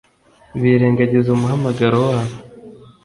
birengagiza umuhamagaro wabo